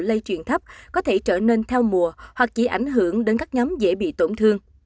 lây chuyển thấp có thể trở nên theo mùa hoặc chỉ ảnh hưởng đến các nhóm dễ bị tổn thương